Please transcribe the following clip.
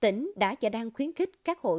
tỉnh đã và đang khuyến khích các hội